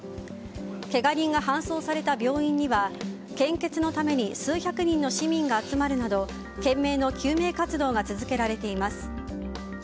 けが人が搬送された病院には献血のために数百人の市民が集まるなど懸命の救命活動が続けられています。